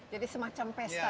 jadi semacam pesta ya